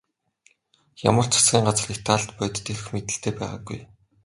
Ямар ч засгийн газар Италид бодит эрх мэдэлтэй байгаагүй.